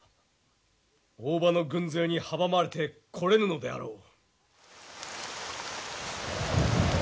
大庭の軍勢に阻まれて来れぬのであろう。